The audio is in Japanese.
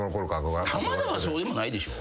浜田はそうでもないでしょ。